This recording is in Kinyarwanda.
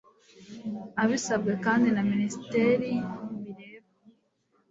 abisabwe kandi na Minisiteri bireba